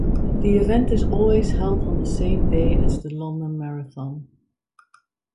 The event is always held on the same day as the London Marathon.